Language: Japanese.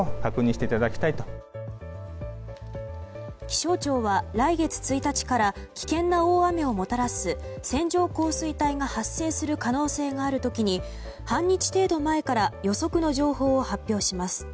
気象庁は来月１日から危険な大雨をもたらす線状降水帯が発生する可能性がある時に半日程度前から予測の情報を発表します。